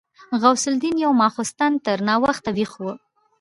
غوث الدين يو ماخستن تر ناوخته ويښ و.